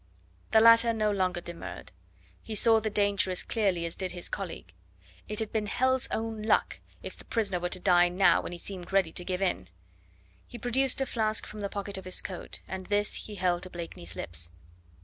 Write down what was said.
The latter no longer demurred. He saw the danger as clearly as did his colleague. It had been hell's own luck if the prisoner were to die now when he seemed ready to give in. He produced a flask from the pocket of his coat, and this he held to Blakeney's lips.